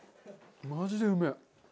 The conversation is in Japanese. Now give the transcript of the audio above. マジでうめえ！